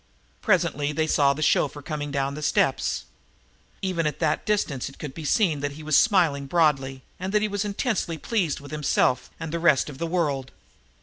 Presently they saw the chauffeur coming down the steps. Even at that distance it could be seen that he was smiling broadly, and that he was intensely pleased with himself and the rest of the world.